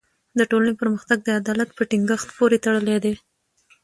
د ټولني پرمختګ د عدالت په ټینګښت پوری تړلی دی.